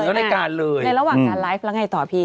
ในระหว่างการไลค์แล้วไงต่อพี่